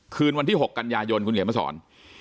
คืนวันที่หกกัลยายนคุณหวียมสอน